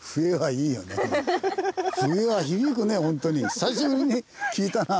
久しぶりに聞いたなあ。